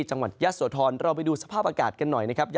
จังหวัดยะโสธรเราไปดูสภาพอากาศกันหน่อยนะครับ